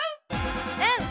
うん！